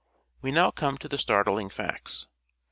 We now come to the startling facts.